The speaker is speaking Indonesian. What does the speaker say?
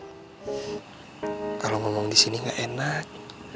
kalau ngomong di sini nggak enak